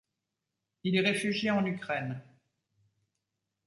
Il est réfugié en Ukraine.